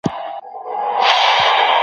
په کومه ژبه څېړنه کوې؟